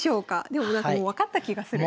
でもなんかもう分かった気がする。